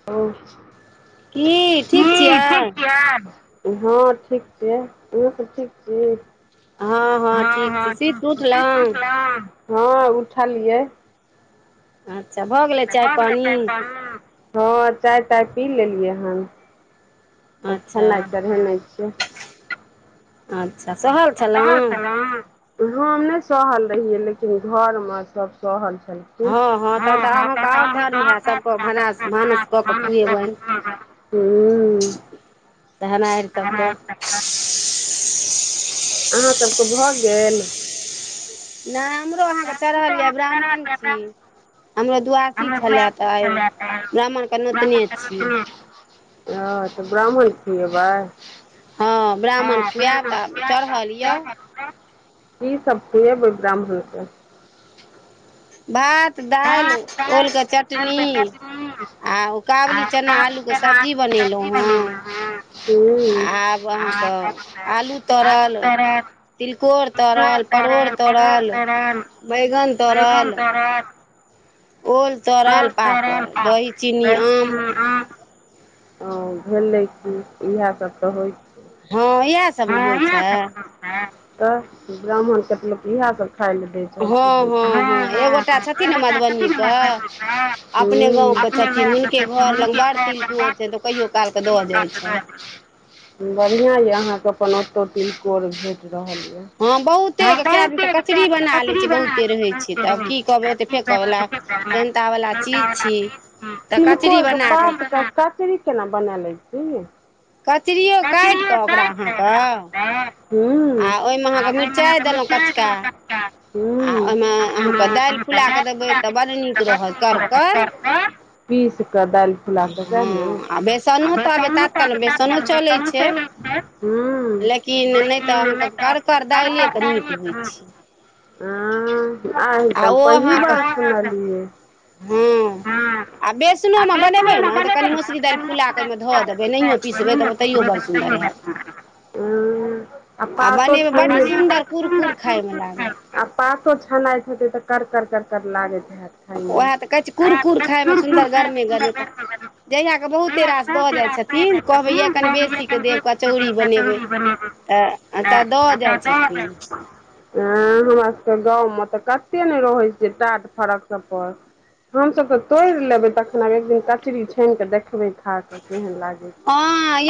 [unintelligible] हँ ठीक छियै अहां सब ठीक छि? हँ हाँ [unintelligible] हां उठलियै। अच्छा भऽ गेलै हँ चाय ताय पी लेलियै हन। अच्छा अच्छा सहल छलैन? हम नहि सहल रहियै लेकिन घरमे सभ सहल छलै। हँ हँ तहन तऽ अहाँके आओर धर्म हैत सभके भानस भानस कऽ कऽ खुएबनि। हूँ [unintelligible] अहाँ सबके भऽ गेल नहि हमरो अहाँके चढ़ल ये ब्राह्मण छी हमरो द्ववाद सी छल ऐ तऽ आय ब्राह्मण के नोतने छी ओ तऽ ब्राह्मण खुएबै हँ ब्राह्मण खुएब आ की सब खुएबै ब्राह्मण के भात दालि ओल के चटनी आ ओ काबुली चना आलू के सब्जी बनेलहूँ हें आब अहाँकऽक आलू तरल तिलकोर तड़ल परोर तड़ल बैगन तड़ल ओल तड़ल पापड़ दही चीनी आम ओ भेलै कि इएह सभ तऽ होइ हँ इहे हँ इहे सब होई छै तऽ ब्राह्मण केँ तऽ लोक इएह सब खाय ले दैत छै आओर कि दै छै हँ हँ हँ [unintelligible] सब चीज नीक के खाय [inaudible] बढ़ियाँ ये अहाँके अपन ओतौ तिलकोर भेट रहल ये हँ बहुते के कए दिन तऽ कचरी बना लै छियै बहुते रहै छै तऽब की कहबै ओते फेकय वला शेहन्ता वला चीज छी तऽ कचरी बना कऽ एकर कचरी केना बना लै छियै यै कचरियो काटि कऽ ओकरा अहाँ कऽ आ ओहिमे अहाँके मिरचाइ देलहुँ कचका आ ओहिमे अहाँके दालि फुला कऽ देबै तऽ बड्ड नीक रहत करकर हँ आ बेसनो ताबे ता काल बेसनो चलै छै लेकिन नहि तऽ अहाँके करकर दालिके नीक होइ छै आँय आहि तऽ हम पहिली बार सुनलीयै हुँ आ बेसनोमे बनेबै ने तऽ कनी मोसरी दाइल फुला कऽ ओहिमे धऽ देबै नहियो पिसबै तऽ पीसबै तऽ अहाँ कन्ना दे देबै [unintelligible] आँय हँ आ पातो छैहे आ कनियाँ बड्ड सुन्दर कुर कुर खायमे आ पातो छनाइत हेतै तऽ करकर करकर लागैत हेत उएह तऽ कहै छी कुरकुर खायमे सुन्दर गरमे गरमे तऽ जहियाकऽ बहुते रास दऽ जाइ छथिन कहबै यै कनी बेसीकऽ देब कचौड़ी बनेबै तऽ तऽ दऽ जाइ छथिन ऐं हमरा सभके गाँवमे तऽ कते नहि रहैत छै टाट फरक सभ पर हमसभ तऽ तोड़ि लेबै तखन आब एक दिन कचरी छानि कऽ देखबै खाकऽ केहन लागै छै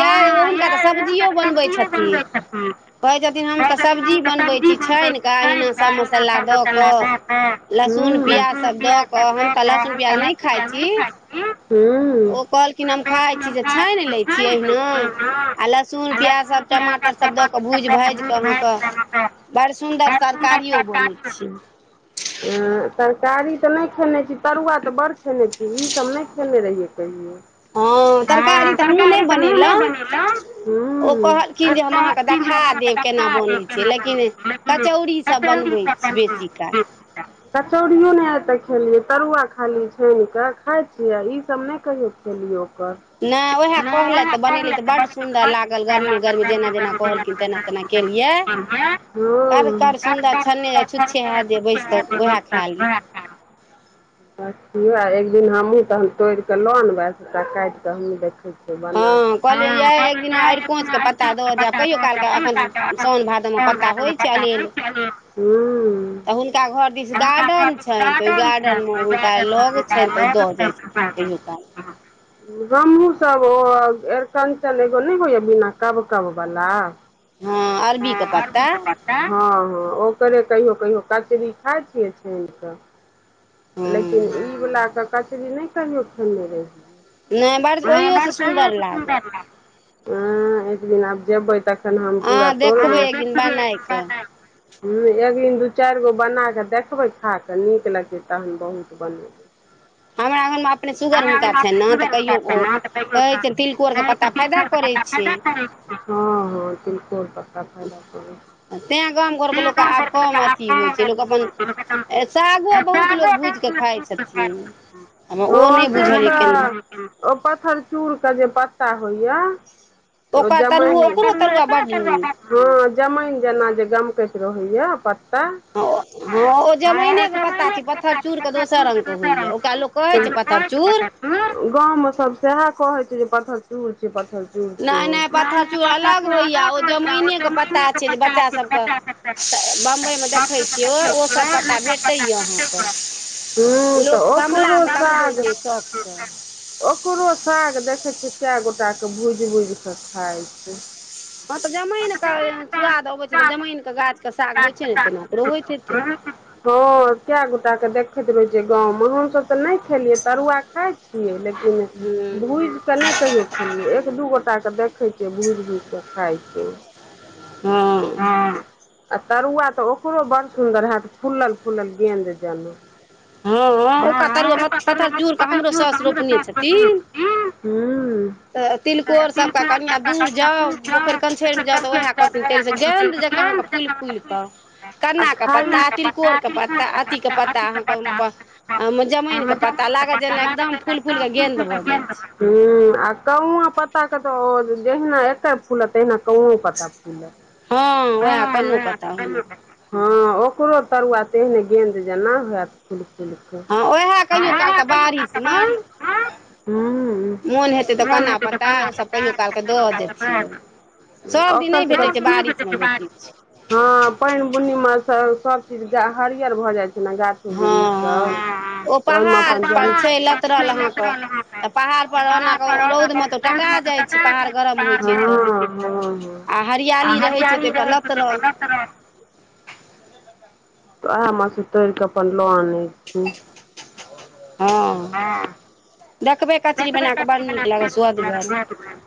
हँ यै एहन टा के सब्जीयो बनबै छथिन कहै छथिन अहाँके सब्जी बनबै छी [unintelligible] सभ मसाला एना कऽ लगा कऽ हूँ लहसुन प्याज तऽ सब धऽ [unintelligible] हूँ तिमन खाइत छी जे छानि लैत छी अहिना आ लहसुन प्याज सब टमाटर सब दऽ कऽ भूजि भाजि कऽ अहाँके बड़ सुन्दर सरकारियो बनैत छै ऐं तरकारी तऽ नहि खेने छी तरुआ तऽ बड़ खेने छी ई सब नहि खेने रहियै कहियो हँ तरकारी तऽ हमहुँ नहि बनेलहुँ ओ कहलखिन जे हम अहाँ के देखा देब केना बनैत छै लेकिन कचौड़ी सभ बनबै छी बेसी काल कचौड़ियो नहि आइतक खेलियै तरुआ खाली छान कऽ खाइ छियै आ ई सब नहि कहियो खेलियै ओकर नहि उएह कहलथि तऽ बनेली तऽ बड सुन्दर लागल गरमे गरमे जेना जेना कहल तेना तेना केलियै कर कर सुन्दर छने छुच्छे हात जे बैस क वएह खा ली अिय एक दिन हमहुँ तह तोड़िके लऽ नेबैटा काटिकऽ हमूँ देखै छी अरिकोच के पत्ता [unintelligible] [unintelligible] छ तऽ ओहि गार्डन मे हुनका ल के छनि तऽ द जाय छै कयो का [unintelligible] गमहूँ सब ओ अरिकञ्चल एगो नहि होइया बिना कब कब वला हँ अरबी के पत्ता हँ हँ ओकरे कहियो कहियो कचरी खाइ छियै छानि कऽ लेकिन ई वलाके कचरी नहि कहियो खने रहहि कह एक दिन जब त [unintelligible] खन हम पूरा तोड़ हँ एक दिन दू चारि गो बना कऽ देखबै खा कऽ नीक लगतै तहन बहुत बनबै [inaudible] हने सुब उ तऽ पहि ब पाय करै हँ तिलकोर पत्ता तै गाम घरके लोकके आब कम अथी होइ छै लोक अपन सागो बहुत लोको भूजि कऽ खाइत छथिन हम ओ नहि बुझलियै केना ओ पत्थर चूर के जे पत्ता होइया जमाइन [unintelligible] हँ जमीन जेना जे गमकैत रहैया प पता जमाईंन के पाता [unintelligible] गाँव में सब सएह कहै छै जे पत्थर चूर अल हो जमायिनी के पत्ता [unintelligible] तऽ बम्बइमे देखै छियौ ओसभ पता भेटैए अहाँके ह तऽ ओ साग [unintelligible] ओकरो साग देखै छियै कए गोटा के भूजि भूज के खाइ छै हँ तऽ जमाइनके सुआाद अबैत छै तऽ जमाइनके गाछके साग होइत छै ने तेना ओकरो होइत छै हतै हँ कए गोट के देखैत रहै छ गाँव में हमसभ तऽ नहि खेलियै तरुआ खाइ छियै लेकिन भूजि कऽ नहि कहियो खेलियै एक दू गोटाके देखैत छियै भुजि भूजि कऽ खाइतौ [inaudible] हँ आ तरुआ तऽ ओकरो बड़ सुन्दर हत फुलल फुलल गेंद जनहु [unintelligible] तऽ तिलकोरसभकेँ कनिआँ दूर जाउ पोखरि कंछरिमे जाउ तऽ उएह कहथिन तेलसँ गद जँकाँ अहाँकेँ फूल फूल के कन्ना के पत्ता तिलकोर के पत्ता अथी के पत्ता जमीन के पत्ता लागल जेना एकदम फुल फूल के गेंद भऽ जाय छै ह आ कौआ पत्ताे तऽ जहिना एके फल तैना कहनो पता फूल हँ ओकरो तरुआ तेहने गेन्द जेना हयत [unintelligible] ह मन होतै तऽ ओकर सब बात [unintelligible] हँ पानि बुन्नी मे सब चीज हरियर भए जाय छै ने गाछ सब ओहि तऽ पहाड़ पर ओना कऽ रौदमे तऽ टटा जाइ छै पहाड़ गरम होइ छै तऽ आ हरियाली रहै छै तापर लतरल तऽ ओएह हम से तोड़ के अपन लऽ आनैत छी हँ ह देखबै कचरी बना कऽ बड़ नीक लागत सुदगर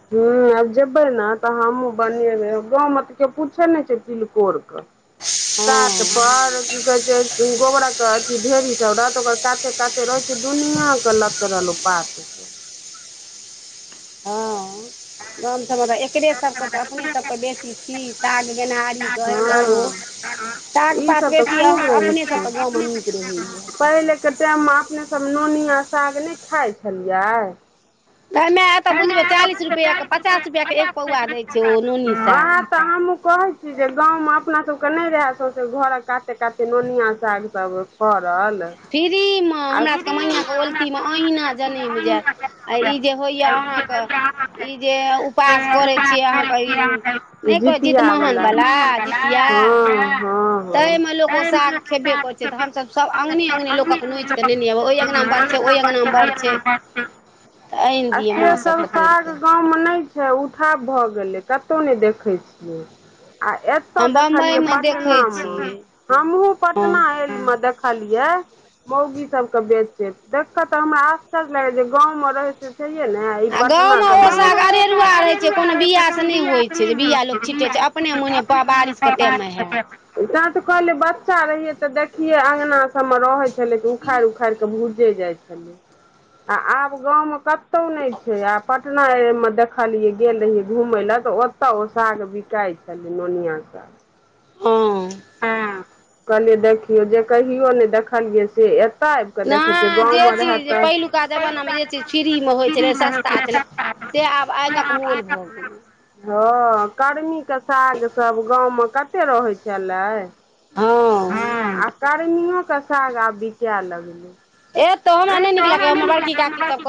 ह आब जेबै ने तऽ हमहुूँ बनेबै गाँव में तऽ के पूछे नहि छै तिलकोर कट पर की कहै छै गोबरा कह ढेरी सब रहत ओकर काते काते रहै छै दुनििया के लत रहल पात हँ गाम त म त एकरे सभके तऽ अपनेसभके बेसी छी साग गेनहारीके करू साग पात बेसी अहाँके अपनेसभके गाँवमे नीक रहैए के टाइम मे अपने सब नोनी आ साग नहि खााय छलियै तऽ म एतऽ बुझबै चालीस रुपैआके पचास रुपैआके एक पौआ दै छै ओ नुनी स तऽ हमूँ कहै छी ी जे गाँवमे अपना सभके नहि रहए सौसे घरक काते काते नोनििया साग सब फ्रीमे हमरा सभके मैयके ओलटीमे अहिना जनम जाय आ ई जे होइया अहाँके ई जे उपास करै छीिय अहाँके ई नहि जीत महान बार जीितिया तहि मे लोक ओ साग खेबे कर छै त हमस सब अगने अङंगगने लोक नोच कऽ नेब ओहि अङ्गना बढ़ छै ओहि अङंगना मे बढ़ छै ऽ एहिन्दिय माँ सब तोर अच्छा उठाव भऽ गेलै कतहुँ नहि देखै छियै आ एतऽ देखलियै पटना मे हमहुँ पटना एल मे देख देखलियै मौगी सबके बेचे देख कऽ तऽ हमरा अ लागै छै जे गाँवमे रहै छै से छैे ने ई पटना सब गाँव में उ संग अरूरूरा जे बिआ लोक छिटे छै अपने मोने बारिश के टाेम मे हयत तैं तऽ कहले बच्चा रहियै तऽ देखियै अङ्गना सबमे रहै छलै त उखाारि उखारििकऽ भूजे जाइ छै आ आब गाँवमे कतहु नहि छै आ पटनामे देख देखलियै गेल रहियै घूमय लए तऽ ओतऽ ओ साग बिकााय छलै नोनिया साग हँ कहलियै देखियौ जे कहियो नहि देखलियै से नय जे चीज पहिलुका जमानामे जे चीज फ्रीमे होइ छलै सस्ता छलै से आब आगक मोल भऽ गेलै हँ कर्मी के सागसभ गाँव मे कतेक रहैत छलै ह आ करमियो के साग आब बिका लगलै ए तो हमरा नय नीक लागयै हमर बड़की की सब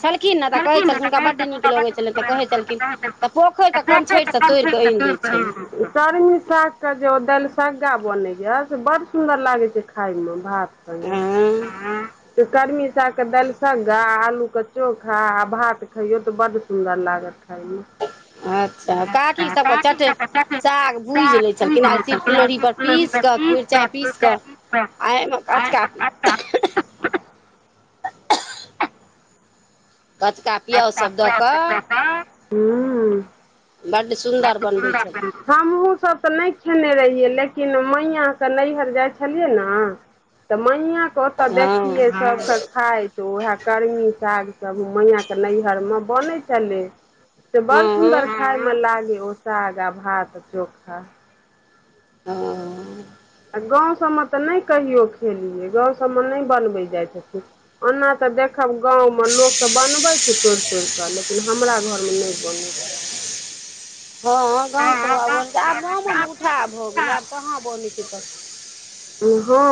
छलखिन ने तऽ कहै छलखिन हुनका बड्ड नीक लगै छलनि तऽ कहै छलखिन तऽ पोखर क कनछर से तोड़ि कऽ आईन दै छली कर्मी सागके जे ओ दालिसग्गा बनैया से बड्ड सुन्दर लागै छै खाायमे भात [inaudible] करमीशाकके दालिसग्गा आलूके चोखा आ भात खइयौ तऽ बड सुन्दर लागत खायलि अच्छा काकी सबके चठ साग भूजि लै छलखिन आ सिर्फ लोढ़ी पर पीस कऽ मिरचाइ पीस कऽ आ एहिमे कचका तत ह [unintelligible] बड्ड सु [unintelligible] हमहु सब तऽ नहि खेने रहियै लेकिन मईयाँ के नयहर जाइ छलियै न तऽ मैय के ओतऽ देखियै सब खायइत तऽ उएह कर्मी साग सभ मईयाँ के नयहर मे बनैत छलै से बड़ सुन्दर खााय मे लागय ओ साग आ भात चोखा। ओ आ गांव सभमे तऽ नहि कहियो खेलियै गांव सभमे नहि बनबैत जाइत छथिन। ओना तऽ देख खब गाँवमे लोक सब बनबै छैय तोड़ तोड़ कऽ लेकिन हमरा घर मे नय बनै छैय। हँ गामसभ आब गामोमे उठा भऽ गेलै आब कहाँ बनय छैय क हाँ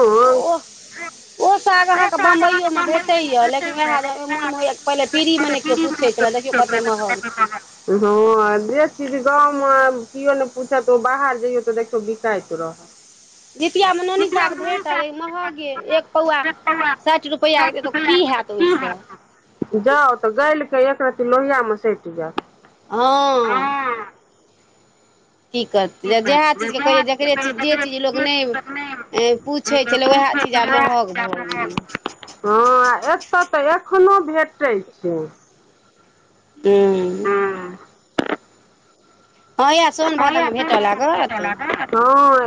ओ साग अहाँके बम्बइयोमे भेटैएा लेकिन वएह जे मोनमे होइए पहिले फिरी मे नय केओ पुछैत छल देखियौ कते महग छैय। हँ जे चीज गाँवमे केओ नय पूछत ओ बाहर जइयौ तऽ देखियौ बिकाइत रहत। जितियामे ननी साग भेंटल अ महगे एक पौआ साठि रुपैआके दे तऽ की हैत ओहिसँ? तऽ गईल के एक रत्ती लोहिया मे सैट जायत। हाँ की करतै जएह चीजके कहियै जकरे चीज जे चीज लोक नय पूछैत छलै उएह चीज आ महग भऽ गेलै। हँ एतऽ तऽ एखनो भेटै छैय। हूँ [unintelligible] हँ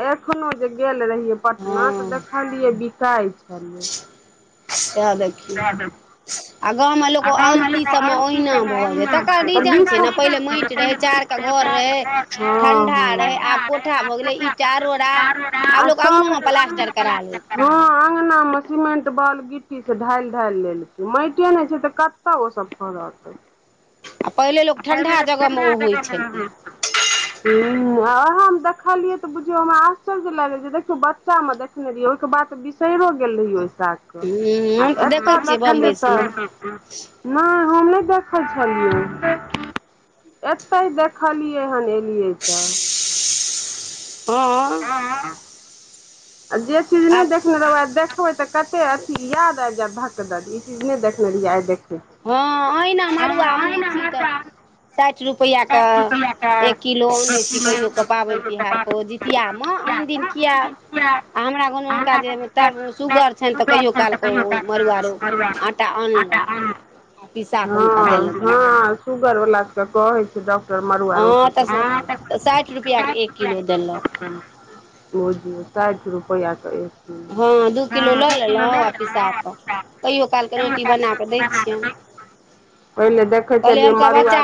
एखनो जे गेल रहियै पटना तऽ देखलियै बिकााय छलै। सैह देखीयौ। [unintelligible] [unintelligible] हां हां सब हँ अंगना मे सीमेंट बालु गिट्टी ढाईल ढाईल लेलकय माईटे नहि छैय तऽ कतऽ ओ सब फड़त? पहिल लोक [unintelligible] ह हम देखलियै तऽ बुझियौ हमरा आश्चर्य लागल देखियौ बच्चा मे ने रहियै ओहिके बाद बिसरिओ गेल रहियै ओहि साग आ एत देखलियै त नहि हम नहि देखै छलियै एतय देखलियै हन लियै त हाँ आ जे चीज नहि देखने रहबै देखबै तऽ क कते अथी याद आब जाय धक द ई चीज नहि देखने रहियै आइ देखे छियै। हाँ अहीना मरुआ आने छी तऽ साठि रुपैआ के एक किलो ओने छी कहियो कऽ पाबनि तिहारके ज किया में आन दिन किया आ हमरा घन में हुनका जे सुगर छैनि तऽ कहियो काल कऽ मरुआ आटा अनलहु। हाँ हाँ सुगर वाला सब के कहै छैय डॉक्टर मरुआ रोटी कतऽ साठि रुपआ के एक किलो देलक। ओ जे साठि रुपैआ कऽ एक हाँ दू किलो लऽ लेलउ आ पीसा कऽ कहीयो काल के रोटी बना कऽ दै छियनि। पहिले देखै छलियै मरुआ